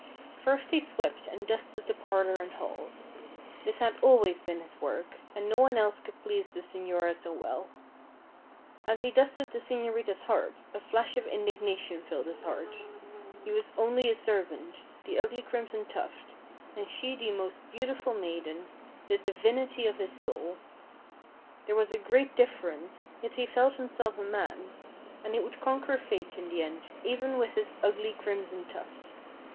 First he swept and dusted the parlor and halls. This had always been his work, and no one else could please the señora so well. As he dusted the señorita's harp a flash of indignation filled his heart. He was only a servant, the ugly Crimson Tuft, and she the most beautiful maiden, the divinity of his soul. There was a great difference, yet he felt himself a man, and he would conquer fate in the end, even with his ugly Crimson Tuft.